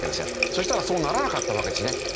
そしたらそうならなかったわけですね。